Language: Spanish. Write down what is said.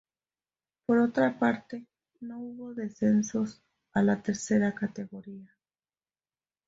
Por otra parte, no hubo descensos a la Tercera categoría.